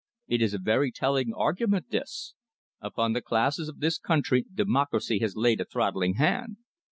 It is a very telling argument, this. Upon the classes of this country, democracy has laid a throttling hand.